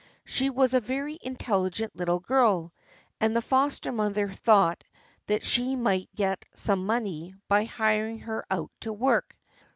She was a very intelligent little girl, and the foster mother thought that she might get some money by hiring her out to work.